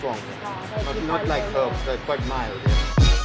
tidak seperti hirup cukup sedikit